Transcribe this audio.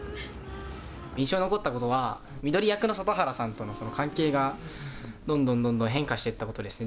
印象に残ったことは翠役の外原さんとのその関係がどんどんどんどん変化していったことですね。